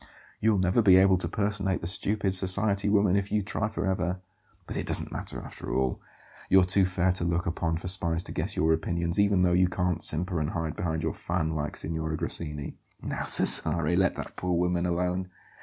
"You'll never be able to personate the stupid society woman if you try for ever. But it doesn't matter, after all; you're too fair to look upon for spies to guess your opinions, even though you can't simper and hide behind your fan like Signora Grassini." "Now Cesare, let that poor woman alone!